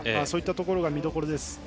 そういったところが見どころです。